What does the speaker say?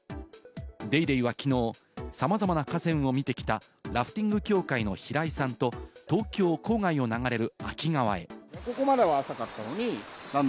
『ＤａｙＤａｙ．』はきのう、さまざまな河川を見てきたラフティング協会の平井さんと東京郊外を流れる秋川へ。